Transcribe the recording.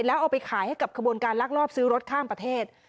แล้วเอาไปขายให้กับขบวนการลักลอบซื้อรถข้ามประเทศ